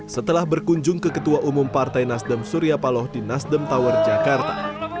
setelah berkunjung ke ketua umum partai nasdem surya paloh di nasdem tower jakarta